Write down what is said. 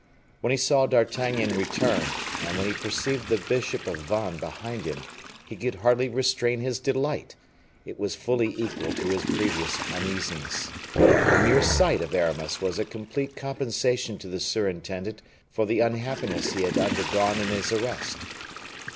When he saw D'Artagnan return, and when he perceived the bishop of Vannes behind him, he could hardly restrain his delight; it was fully equal to his previous uneasiness. The mere sight of Aramis was a complete compensation to the surintendant for the unhappiness he had undergone in his arrest.